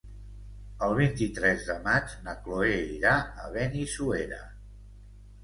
El vint-i-tres de maig na Chloé irà a Benissuera.